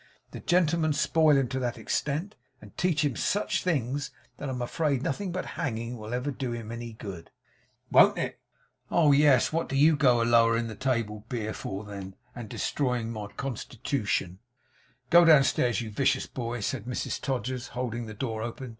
The gentlemen spoil him to that extent, and teach him such things, that I'm afraid nothing but hanging will ever do him any good.' 'Won't it!' cried Bailey. 'Oh! Yes! Wot do you go a lowerin the table beer for then, and destroying my constitooshun?' 'Go downstairs, you vicious boy,' said Mrs Todgers, holding the door open.